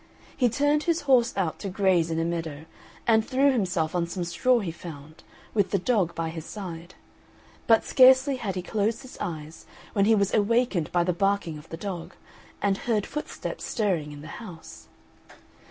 He turned his horse out to graze in a meadow, and threw himself on some straw he found, with the dog by his side. But scarcely had he closed his eyes when he was awakened by the barking of the dog, and heard footsteps stirring in the house.